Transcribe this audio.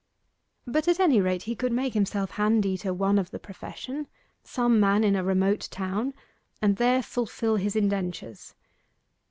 But at any rate he could make himself handy to one of the profession some man in a remote town and there fulfil his indentures.